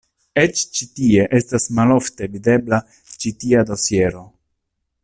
Eĉ ĉi tie estas malofte videbla ĉi tia dosiero.